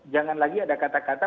jangan lagi ada kata kata